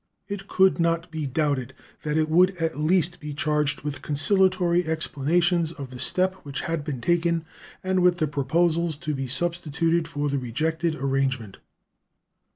It could not be doubted that it would at least be charged with conciliatory explanations of the step which had been taken and with proposals to be substituted for the rejected arrangement.